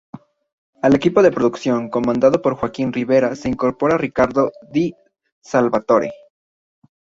Al equipo de producción comandado por Joaquín Riviera se incorpora Ricardo Di Salvatore.